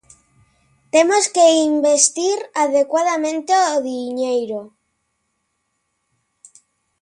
Temos que investir adecuadamente o diñeiro.